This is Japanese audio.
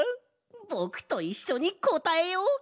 ぼくといっしょにこたえよう！